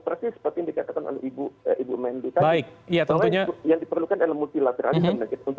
persis seperti yang dikatakan ibu mendika yang diperlukan adalah multilateralisme